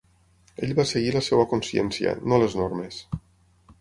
Ell va seguir la seva consciència, no les normes.